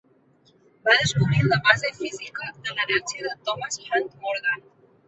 Va descobrir la base física de l'herència de Thomas Hunt Morgan.